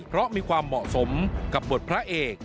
เพราะมีความเหมาะสมกับบทพระเอก